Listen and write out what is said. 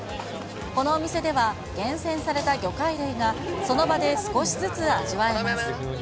このお店では厳選された魚介類が、その場で少しずつ味わえます。